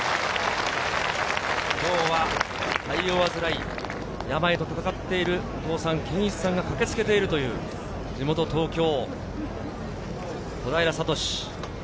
今日は肺を患い、病と闘っている、お父さん・健一さんが駆けつけているという地元・東京、小平智。